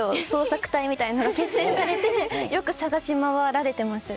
みたいなのが結成されてよく捜し回られてます。